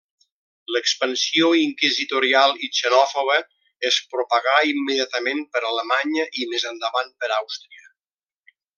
L'expansió inquisitorial i xenòfoba es propagà immediatament per Alemanya i més endavant per Àustria.